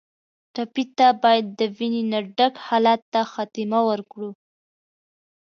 ټپي ته باید د وینې نه ډک حالت ته خاتمه ورکړو.